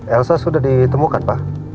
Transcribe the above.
elsa sudah ditemukan pak